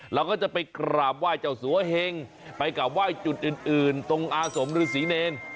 เราก็จะไปกราบเว่าเจ้าสัวเห็งไปกลับเว่าว่ายจุดอื่นตรงอาสมฤษีเนร